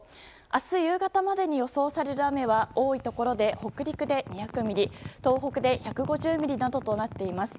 明日夕方までに予想される雨は多いところで北陸で２００ミリ東北で１５０ミリなどとなっています。